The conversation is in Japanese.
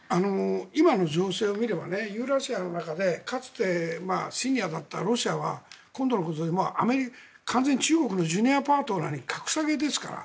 今の情勢を見ればユーラシアの中でかつてシニアだったロシアは今度、完全に中国のジュニアパートナーに格下げですから。